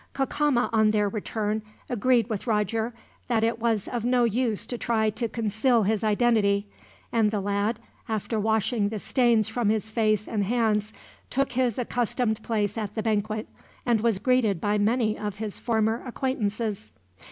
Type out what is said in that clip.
Cacama, on their return, agreed with Roger that it was of no use to try to conceal his identity; and the lad, after washing the stains from his face and hands, took his accustomed place at the banquet, and was greeted by many of his former acquaintances.